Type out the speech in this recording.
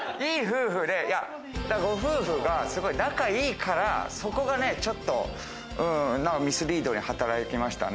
ご夫婦が仲いいから、そこがちょっとミスリードに働きましたね。